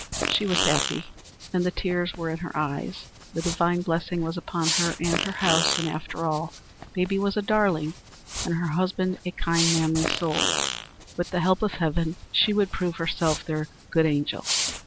She was happy and the tears were in her eyes. The divine blessing was upon her and her house, and, after all, baby was a darling and her husband a kind, manly soul. With the help of heaven she would prove herself their good angel.